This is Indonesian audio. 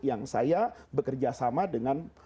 yang saya bekerja sama dengan